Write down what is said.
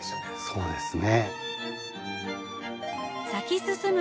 そうですね。